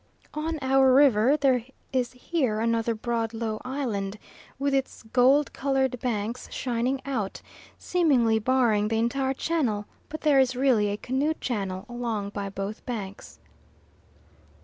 On our river there is here another broad low island with its gold coloured banks shining out, seemingly barring the entire channel, but there is really a canoe channel along by both banks.